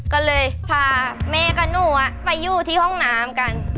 ก็เลยพาแม่กับหนูไปอยู่ที่ห้องน้ำกัน